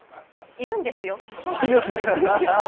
いるんですよ。